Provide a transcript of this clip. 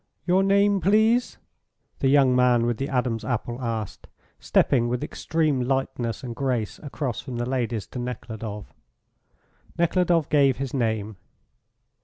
"Your name, please?" the young man with the Adam's apple asked, stepping with extreme lightness and grace across from the ladies to Nekhludoff. Nekhludoff gave his name.